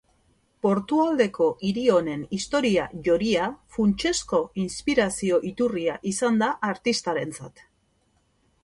Portualdeko hiri honen historia joria funtsezko inspirazio iturria izan da artistarentzat.